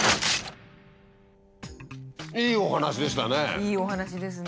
いいお話ですね。